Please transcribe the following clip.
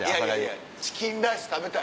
いやいやチキンライス食べたい。